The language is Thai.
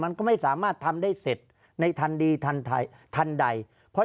มันก็ไม่สามารถทำได้เสร็จในทันดีทันใดเพราะ